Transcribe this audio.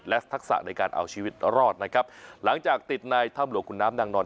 และทักษะในการเอาชีวิตรอดนะครับหลังจากติดในถ้ำหลวงขุนน้ำนางนอน